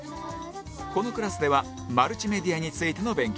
このクラスではマルチメディアについての勉強